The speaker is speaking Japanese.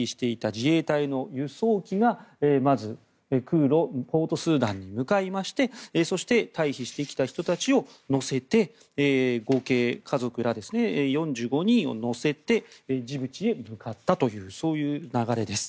自衛隊の輸送機がまず空路でポートスーダンに向かいましてそして退避してきた人たちを乗せて合計、家族ら４５人を乗せてジブチへ向かったというそういう流れです。